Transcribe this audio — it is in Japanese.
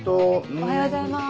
おはようございます。